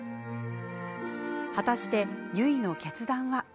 果たして結の決断は？